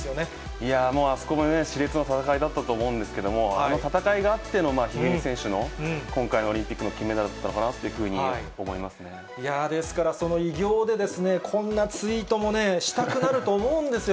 いやー、もうあそこもね、しれつな戦いだったと思うんですけれども、あの戦いがあっての、一二三選手の今回のオリンピックの金メダルだったのかなっていうですから、その偉業で、こんなツイートもしたくなると思うんですよ。